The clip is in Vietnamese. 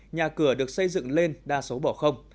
nhà cửa được xây dựng lên đa số bỏ không